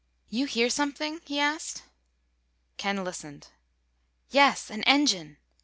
"You hear something?" he asked. Ken listened. "Yes! An engine!